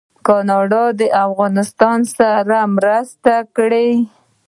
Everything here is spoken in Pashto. کاناډا د افغانستان سره مرسته کړې.